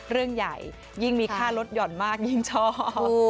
เรื่องใหญ่ยิ่งมีค่ารถหย่อนมากยิ่งชอบ